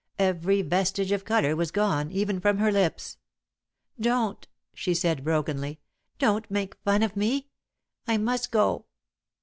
Every vestige of colour was gone, even from her lips. "Don't!" she said, brokenly. "Don't make fun of me. I must go."